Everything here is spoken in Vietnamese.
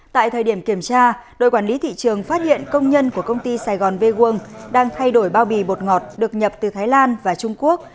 tại thời điểm kiểm tra đội quản lý thị trường phát hiện công nhân của công ty sài gòn vec đang thay đổi bao bì bột ngọt được nhập từ thái lan và trung quốc